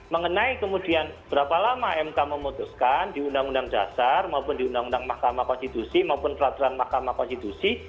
mengenai kemudian berapa lama mk memutuskan di undang undang dasar maupun di undang undang makamakonstitusi maupun peraturan makamakonstitusi